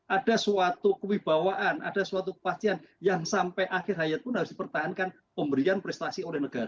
ada suatu kewibawaan ada suatu kepastian yang sampai akhir hayat pun harus dipertahankan pemberian prestasi oleh negara